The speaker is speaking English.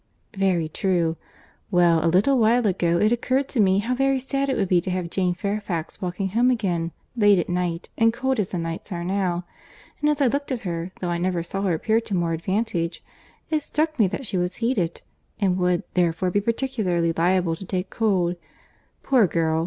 "Very true.—Well, a little while ago it occurred to me how very sad it would be to have Jane Fairfax walking home again, late at night, and cold as the nights are now. And as I looked at her, though I never saw her appear to more advantage, it struck me that she was heated, and would therefore be particularly liable to take cold. Poor girl!